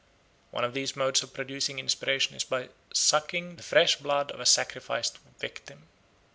One of these modes of producing inspiration is by sucking the fresh blood of a sacrificed victim.